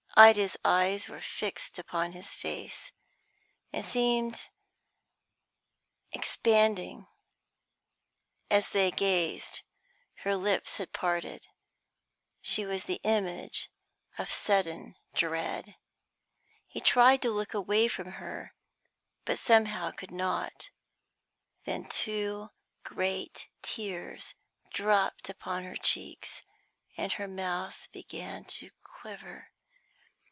Ida's eyes were fixed upon his face, and seemed expanding as they gazed; her lips had parted; she was the image of sudden dread. He tried to look away from her, but somehow could not. Then two great tears dropped upon her cheeks, and her mouth began to quiver.